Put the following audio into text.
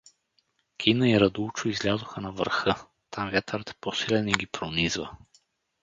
Кина и Радулчо излязоха на върха, там вятърът е по-силен и ги пронизва.